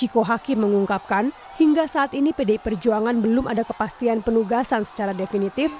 risiko hakim mengungkapkan hingga saat ini pdi perjuangan belum ada kepastian penugasan secara definitif